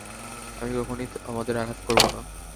আমি কখনোই তোমাদের আঘাত করব না।